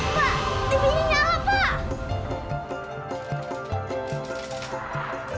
pak tv nya nyala pak